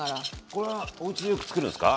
これはおうちでよくつくるんですか？